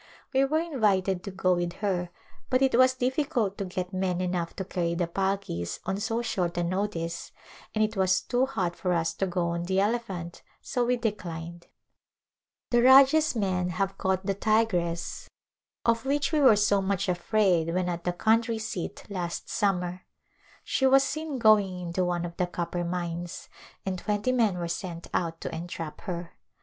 We were invited to go with her but it was difficult to get men enough to carry the palkis on so short a notice and it was too hot for us to go on the elephant so we declined. The Rajah's men have caught the tigress of which The Khetri Heir. A Marriage Arrangement we were so much afraid when at the country seat last summer. She was seen going into one of the copper mines and twenty men were sent out to entrap her.